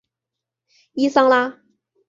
伊桑拉。